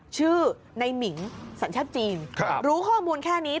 ชื่อในหมิงสัญชาติจีนรู้ข้อมูลแค่นี้